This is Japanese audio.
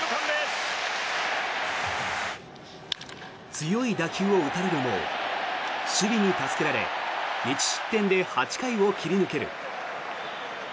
強い打球を打たれるも守備に助けられ１失点で８回を切り抜ける。